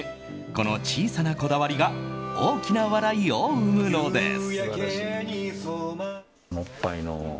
この小さなこだわりが大きな笑いを生むのです。